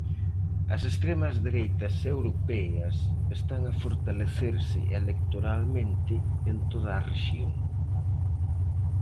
As extremas dereitas europeas están a fortalecerse electoralmente en toda a rexión.